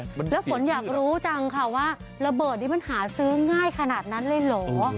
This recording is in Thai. แล้วฝนอยากรู้จังค่ะว่าระเบิดนี้มันหาซื้อง่ายขนาดนั้นเลยเหรอ